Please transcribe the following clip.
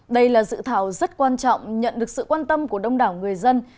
đây là dự thảo rất quan trọng nhận được sự quan tâm của đông đảo người dân